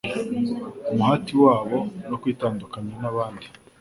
umuhati wabo, no kwitandukanya n'abandi,